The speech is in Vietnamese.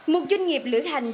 một doanh nghiệp lưỡi hành